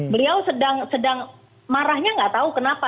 beliau sedang marahnya nggak tahu kenapa